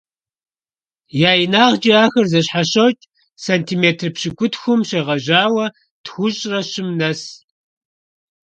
Я инагъкIи ахэр зэщхьэщокI сантиметр пщыкIутхум щегъэжьауэ тхущIрэ щым нэс.